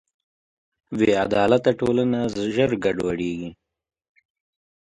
بېعدالته ټولنه ژر ګډوډېږي.